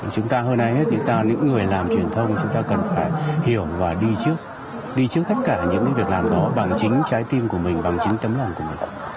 chúng ta hôm nay hết những người làm truyền thông chúng ta cần phải hiểu và đi trước đi trước tất cả những việc làm đó bằng chính trái tim của mình bằng chính tấm lòng của mình